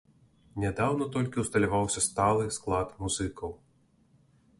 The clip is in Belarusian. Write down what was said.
Нядаўна толькі усталяваўся сталы склад музыкаў.